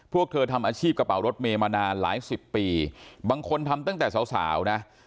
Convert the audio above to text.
พวกเธอทำอาชีพกระเป๋ารถเมย์มานานหลายสิบปีบางคนทำตั้งแต่สาวนะ